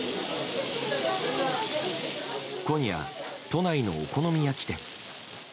今夜、都内のお好み焼き店。